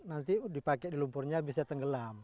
nanti dipakai di lumpurnya bisa tenggelam